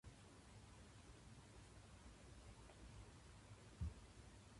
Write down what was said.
猫を吸う